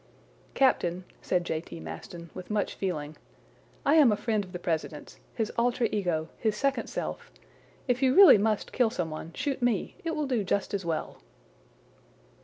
"Captain," said J. T. Maston, with much feeling, "I am a friend of the president's, his alter ego, his second self; if you really must kill some one, shoot me! it will do just as well!"